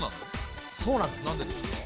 そうなんです。